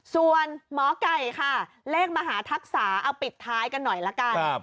ส่วนหมอไก่ค่ะเลขมหาทักษาเอาปิดท้ายกันหน่อยละกัน